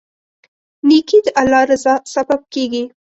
نیکي د الله رضا سبب کیږي.